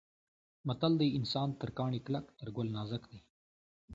متل دی: انسان تر کاڼي کلک تر ګل نازک دی.